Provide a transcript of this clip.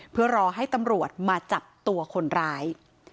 เพื่อรอให้ตำรวจมาจับตัวคนร้าย